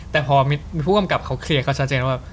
แต่พอมีผู้กำกับเขาเคลียร์ก็ชัดเจนว่า